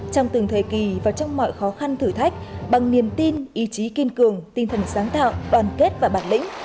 trong từng thời kỳ và trong mọi khó khăn thử thách bằng niềm tin ý chí kiên cường tinh thần sáng tạo đoàn kết và bản lĩnh